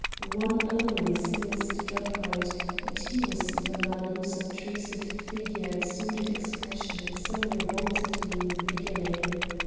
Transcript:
One only still stood upright, and he was the man whose obtrusive figure and sordid expression had so revolted me in the beginning.